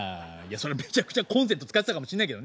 そりゃめちゃくちゃコンセント使ってたかもしんないけどね。